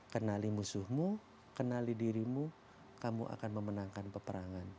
kenali musuhmu kenali dirimu kamu akan memenangkan peperangan